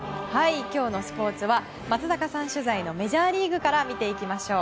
今日のスポーツは松坂さん取材のメジャーリーグから見ていきましょう。